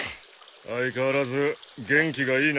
・相変わらず元気がいいな。